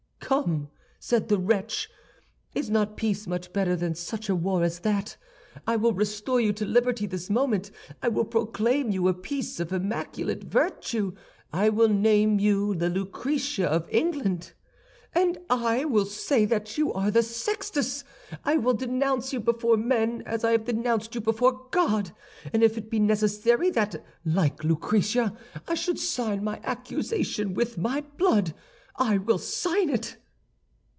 "'Come,' said the wretch, 'is not peace much better than such a war as that? I will restore you to liberty this moment; I will proclaim you a piece of immaculate virtue; I will name you the Lucretia of England.' "'And I will say that you are the Sextus. I will denounce you before men, as I have denounced you before God; and if it be necessary that, like Lucretia, I should sign my accusation with my blood, I will sign it.